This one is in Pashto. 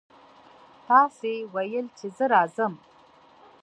تاسې ویل چې زه راځم.